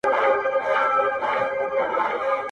o پرېږده چي وپنځوي ژوند ته د موسی معجزې.